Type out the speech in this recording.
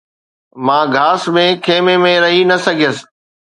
مان گھاس ۾ خيمي ۾ رهي نه سگهيس